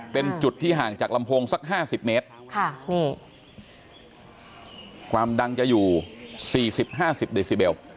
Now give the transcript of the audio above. เป็นจุดที่ห่างจากลำโพงสักห้าสิบเมตรความดังจะอยู่สี่สิบห้าสิบเดซิเบล